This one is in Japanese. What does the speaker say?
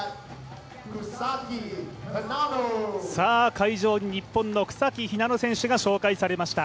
会場に日本の草木ひなの選手が紹介されました。